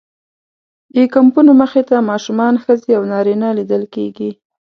د کمپونو مخې ته ماشومان، ښځې او نارینه لیدل کېږي.